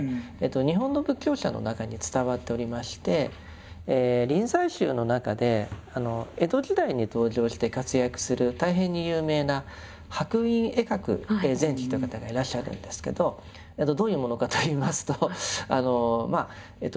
日本の仏教者の中に伝わっておりまして臨済宗の中で江戸時代に登場して活躍する大変に有名な白隠慧鶴禅師という方がいらっしゃるんですけどどういうものかといいますとあのまあ教説としてはですね